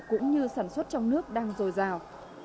cũng như sản xuất trong nước đang dồi dào